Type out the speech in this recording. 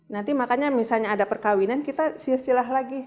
nanti makanya misalnya ada perkawinan kita sirsilah lagi